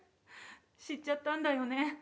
知っちゃったんだよね。